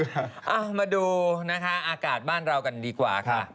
เอามาดูนะคะอากาศบ้านเรากันดีกว่าค่ะ